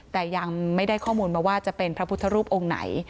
แต่ยังไม่ได้ข้อมูลมาว่าจะเป็นพระพุทธรูปองค์ไหน